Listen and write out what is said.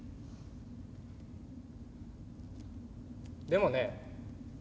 でもね